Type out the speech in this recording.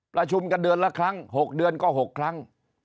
ประชุมกันเดือนละครั้ง๖เดือนก็๖ครั้ง